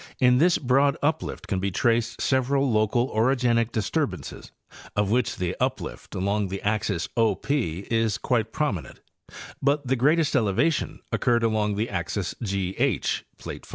In this broad uplift can be traced several local orogenic disturbances, of which the uplift along the axis O P is quite prominent, but the greatest elevation occurred along the axis G H (plate 5).